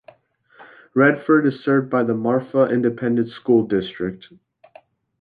Redford is served by the Marfa Independent School District.